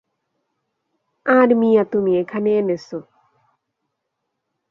আর মিয়া তুমি এখানে এনেছ!